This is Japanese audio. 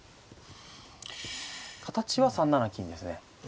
形は３七金ですね。